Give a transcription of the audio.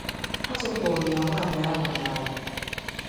a tụpụrụ ya nwaanyị ahụ n'ala